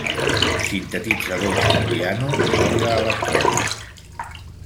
Sintetitzadors, piano i orgue electrònic.